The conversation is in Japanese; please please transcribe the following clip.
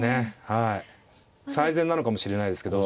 最善なのかもしれないですけど。